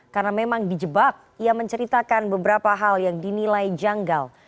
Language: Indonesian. karena memang dijebak ia menceritakan beberapa hal yang dinilai janggal